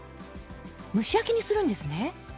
蒸し焼きにするんですね。